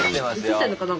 映ってんのかな？